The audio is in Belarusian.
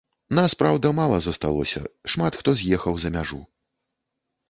Нас, праўда, мала засталося, шмат хто з'ехаў за мяжу.